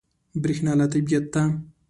برېښنا له طبیعت ده.